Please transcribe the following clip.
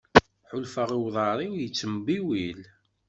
Ḥulfaɣ i uḍar-iw yettembiwil.